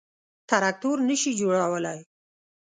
_تراکتور نه شي جوړولای.